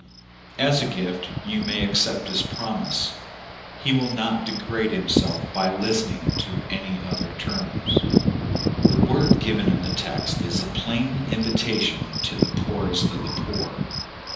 As a gift you may ac cept his promise : he will not degrade himself by listening to any other terms. The word given in the text is a plain invitation to the poorest of the poor.